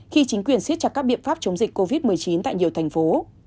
khi chính quyền siết chặt các biện pháp chống dịch covid một mươi chín tại nhiều thành phố